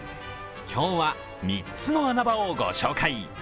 今日は３つの穴場をご紹介。